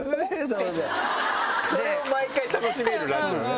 それを毎回楽しめるラジオね。